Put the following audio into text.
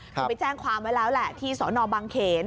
คือไปแจ้งความไว้แล้วแหละที่สนบังเขน